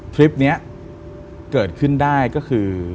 คลิปนี้เกิดขึ้นได้ก็คือ